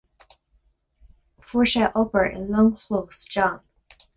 Fuair sé obair i longchlós John.